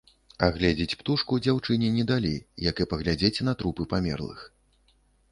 Агледзець птушку дзяўчыне не далі, як і паглядзець на трупы памерлых.